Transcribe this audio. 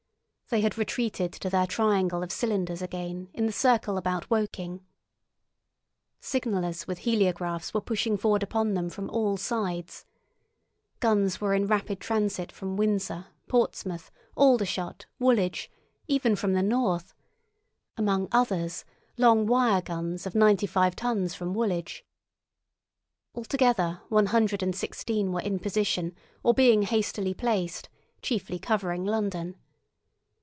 They had retreated to their triangle of cylinders again, in the circle about Woking. Signallers with heliographs were pushing forward upon them from all sides. Guns were in rapid transit from Windsor, Portsmouth, Aldershot, Woolwich—even from the north; among others, long wire guns of ninety five tons from Woolwich. Altogether one hundred and sixteen were in position or being hastily placed, chiefly covering London.